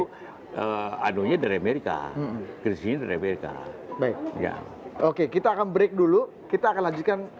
itu anunya dari amerika christine dari amerika baik ya oke kita akan break dulu kita akan lanjutkan